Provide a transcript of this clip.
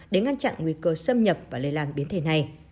để ngăn chặn nguy cơ xâm nhập và lây lan biến thể này